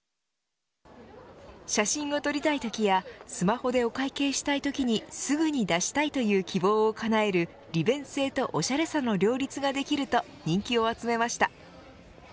写真を撮りたいときやスマホでお会計したいときにすぐに出したいという希望をかなえる利便性とおしゃれさの両立ができると、人気を集めました。